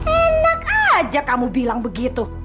enak aja kamu bilang begitu